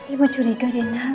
ibu curiga deh nak